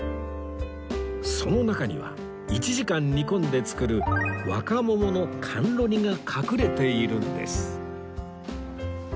その中には１時間煮込んで作る若桃の甘露煮が隠れているんです